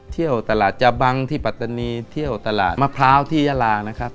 เที่ยวตลาดจบังที่ปัตตานีเที่ยวตลาดมะพร้าวที่ยาลานะครับ